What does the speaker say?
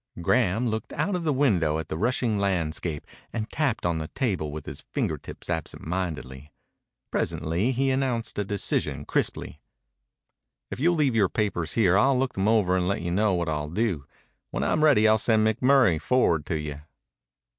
Graham looked out of the window at the rushing landscape and tapped on the table with his finger tips absentmindedly. Presently he announced a decision crisply. "If you'll leave your papers here I'll look them over and let you know what I'll do. When I'm ready I'll send McMurray forward to you."